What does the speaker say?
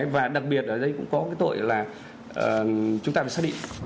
và đặc biệt ở đây cũng có cái tội là chúng ta phải xác định